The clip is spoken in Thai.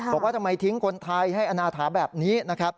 บอกว่าทำไมทิ้งคนไทยให้อนาถาแบบนี้นะครับ